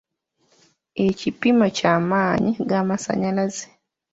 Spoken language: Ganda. Ekipimo ky'amaanyi g'amasannyalaze.